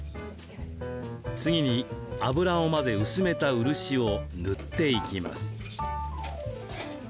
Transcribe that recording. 次に油を混ぜ薄めた漆を塗っていきます。